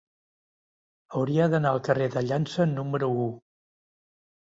Hauria d'anar al carrer de Llança número u.